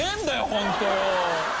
ホントよ。